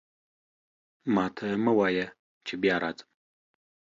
ماته مه وایه چې بیا راځم.